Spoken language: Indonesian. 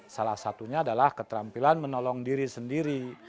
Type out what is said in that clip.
salah satunya adalah keterampilan menolong diri sendiri